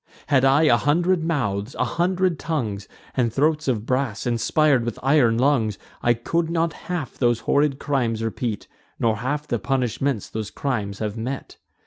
Had I a hundred mouths, a hundred tongues, And throats of brass, inspir'd with iron lungs, I could not half those horrid crimes repeat, Nor half the punishments those crimes have met.